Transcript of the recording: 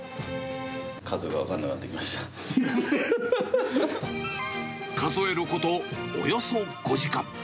数が分からなくなってきまし数えることおよそ５時間。